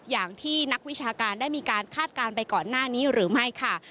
อย่างที่นักวิชาการได้มีการคาดการณ์ไปก่อนหน้านี้หรือไม่ค่ะ